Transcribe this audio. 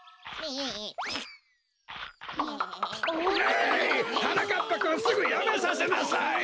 ううはなかっぱくんすぐやめさせなさい！